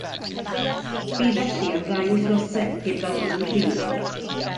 Bu felly am rai wythnosau, heb gael bod yn rhydd.